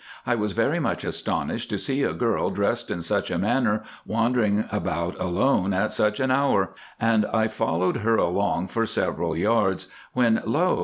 I was very much astonished to see a girl dressed in such a manner wandering about alone at such an hour, and I followed her along for several yards, when lo!